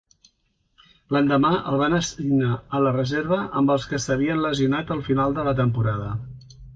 L'endemà, el van assignar a la reserva amb els que s'havien lesionat al final de la temporada.